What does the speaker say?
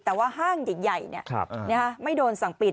แต่ว่าห้างใหญ่ไม่โดนสั่งปิด